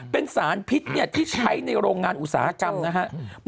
เป็นสารพิษที่ใช้ในโรงงานอุตสาหกรรมนะครับ